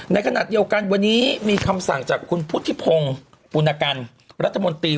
ในขณะเดียวกันวันนี้มีคำสั่งจากคุณพุทธิพงศ์ปุณกันรัฐมนตรี